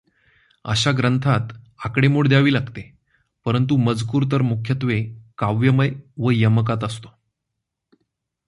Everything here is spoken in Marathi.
अशा ग्रंथांत आकडेमोड द्यावी लागते परंतु मजकूर तर मुख्यत्वे काव्यमय व यमकात असतो.